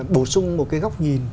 bổ sung một cái góc nhìn